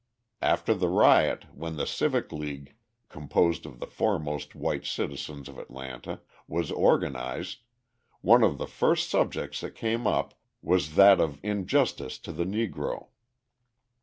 After the riot, when the Civic League, composed of the foremost white citizens of Atlanta, was organised, one of the first subjects that came up was that of justice to the Negro.